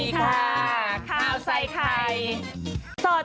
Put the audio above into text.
ติดติด